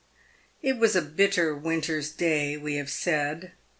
It was a bitter winter's day we have said.